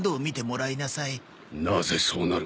なぜそうなる？